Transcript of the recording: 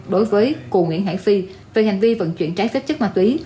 đối với cụ nguyễn hãn phi về hành vi vận chuyển trái phép chất ma túy